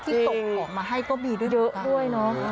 ที่ตกออกมาให้ก็มีด้วยเยอะด้วยเนาะ